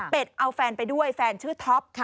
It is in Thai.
เป็นเอาแฟนไปด้วยแฟนชื่อท็อป